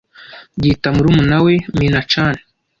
Yita murumuna we Mina-chan.